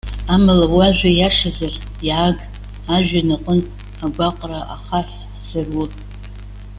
Амала уажәа иашазар, иааг, ажәҩан аҟынтә агәаҟра ахаҳә ҳзаруы.